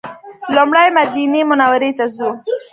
لومړی مدینې منورې ته ځو.